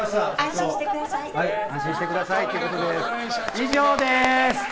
以上です。